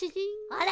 あら？